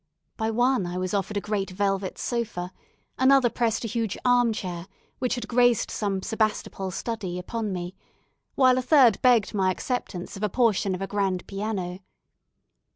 By one I was offered a great velvet sofa; another pressed a huge arm chair, which had graced some Sebastopol study, upon me; while a third begged my acceptance of a portion of a grand piano.